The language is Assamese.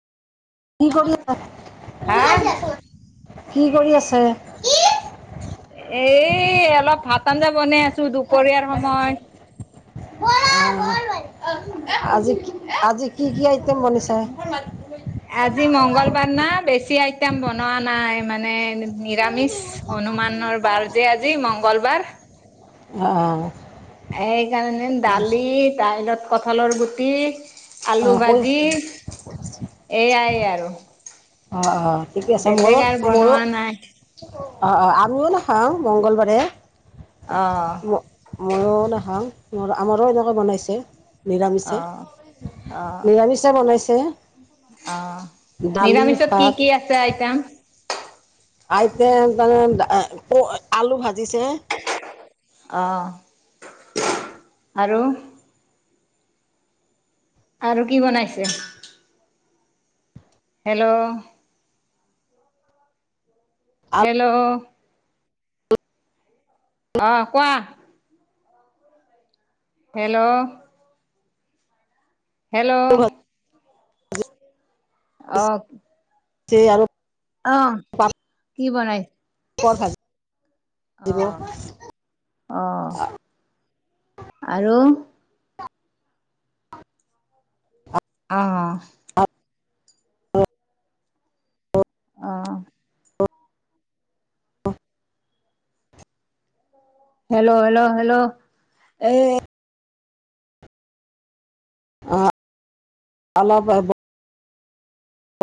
কি কৰি আ হা কি কৰি আছে? কি এ অলপ ভাত আঞ্জা বনাই আছোঁ দুপৰীয়াৰ সময়। মাল মৰ মাল অ। [unintelligible] আজি আজি কি, কি আইটেম বনিছে? আজি মংগলবাৰ না বেছি আইটেম বনোৱা নাই মানে নিৰামিষ হনুমানৰ বাৰ যে আজি মঙংগলবাৰ। অহ। সেইকাৰণে দালি ডাইলত কঁঠালৰ গুটি আলু অঁ কৈ ভাজি আছে এইয়াই আৰু। অ', অ', ঠিকে আছে বেলেগ ময়ো, আৰু ময়ো। বনোৱা নাই অ', অ', আমিও নাখাওঁ মংগলবাৰে। অ'। ম মইয়ো নাখাওঁ মোৰ আমাৰো এনেকৈ বনাইছে। নিৰামিষে অহ নিৰামিষে বনাইছে। অ', দালি নিৰামিষত কি, ভাত কি আছে আইটেম? আইতেম তান মানে ক আলু ভাজিছে। অহ আৰু। আৰু কি বনাইছে? হেল্ল'। আলু হেল্ল'। অ', কোৱা? হেল্ল'। হেল্ল'। অ'। যে আৰু অ', কি বনাই? পৰ ভ [unintelligible] অহ, অহ আৰু অ'। অ'। হেল্ল', হেল্ল', হেল্ল' এই অ' অলপ